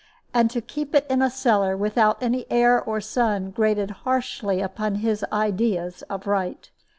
And to keep it in a cellar, without any air or sun, grated harshly upon his ideas of right.